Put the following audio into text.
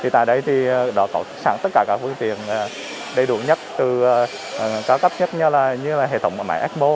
tại đây thì đã có sẵn tất cả các phương tiện đầy đủ nhất từ cao cấp nhất như là hệ thống máy ecmo